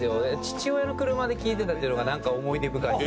父親の車で聴いてたっていうのがなんか思い出深い。